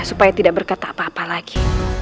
supaya tidak berkata apa apa lagi